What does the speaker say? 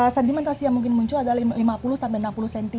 sedimentasi yang mungkin muncul adalah lima puluh enam puluh cm per tahun